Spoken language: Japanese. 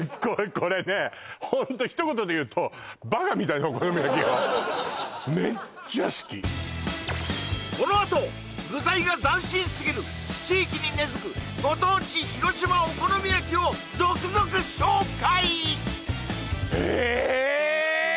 これねホントひと言で言うとこのあと具材が斬新すぎる地域に根づくご当地広島お好み焼きを続々紹介